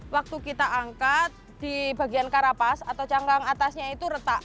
waktu kita angkat di bagian karapas atau cangkang atasnya itu retak